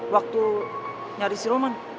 waktu nyari si roman